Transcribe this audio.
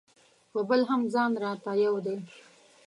په بل هم ځان راته یو دی.